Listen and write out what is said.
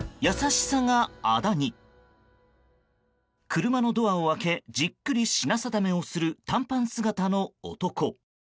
車のドアを開けじっくり品定めをする短パン姿の男。